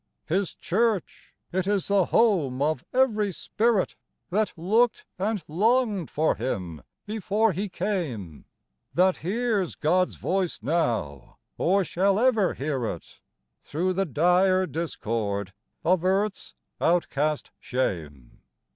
His Church, — it is the home of every spirit That looked and longed for Him before He came; That hears God's voice now, or shall ever hear it, Through the dire discord of earth's outcast shame.